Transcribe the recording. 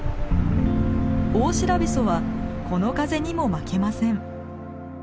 オオシラビソはこの風にも負けません。